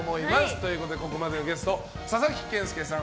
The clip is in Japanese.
ということでここまでのゲスト佐々木健介さん